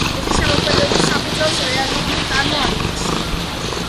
მისი შემოქმედების საფუძველს რეალიზმი წარმოადგენს.